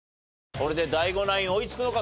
これでＤＡＩＧＯナイン追いつくのか